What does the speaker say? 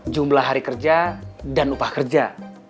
jumlah hari kerja dan upah kerja